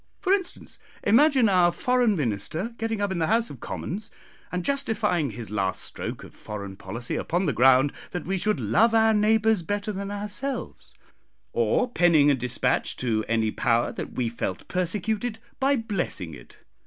For instance, imagine our Foreign Minister getting up in the House of Commons and justifying his last stroke of foreign policy upon the ground that we should 'love our neighbours better than ourselves, or penning a despatch to any power that we felt 'persecuted' by blessing it.